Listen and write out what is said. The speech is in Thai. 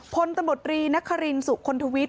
คนตมรีนคะรินสุขค้นทวีท